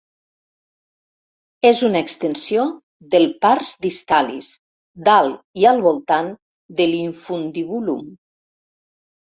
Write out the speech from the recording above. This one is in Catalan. És una extensió del pars distalis dalt i al voltant de l'infundibulum.